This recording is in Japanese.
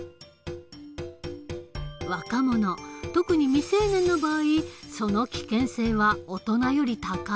若者特に未成年の場合その危険性は大人より高い。